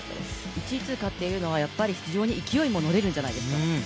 １位通過というのは、勢いにも乗れるんじゃないですか？